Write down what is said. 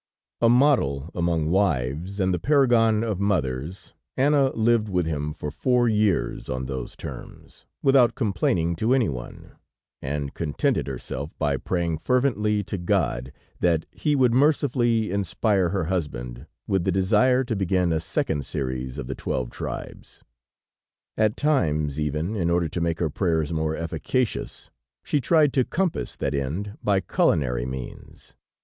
A model among wives and the paragon of mothers, Anna lived with him for four years on those terms, without complaining to anyone, and contented herself by praying fervently to God that He would mercifully inspire her husband with the desire to begin a second series of the twelve tribes. At times even, in order to make her prayers more efficacious, she tried to compass that end by culinary means.